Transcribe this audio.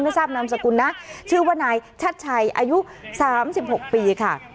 ทราบนามสกุลนะชื่อว่านายชัดชัยอายุ๓๖ปีค่ะ